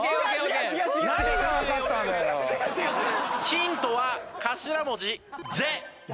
ヒントは頭文字「ゼ」。